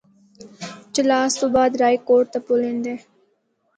چلاس تو بعد رائےکوٹ دا پُل ایندا ہے۔